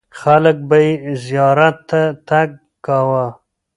خلک به یې زیارت ته تګ کاوه.